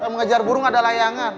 mengajar burung ada layangan